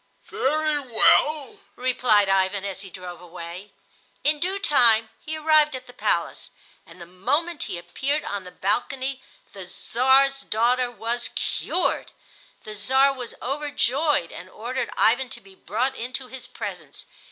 "Very well," replied Ivan, as he drove away. In due time he arrived at the palace, and the moment he appeared on the balcony the Czar's daughter was cured. The Czar was overjoyed and ordered Ivan to be brought into his presence.